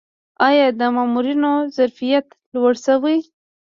آیا د مامورینو ظرفیت لوړ شوی؟